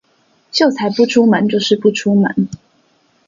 秀才不出門就是不出門